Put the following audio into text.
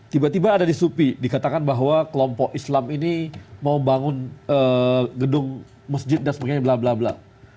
tiba tiba ada di supi dikatakan bahwa kelompok islam ini mau bangun gedung masjid dan sebagainya bla bla bla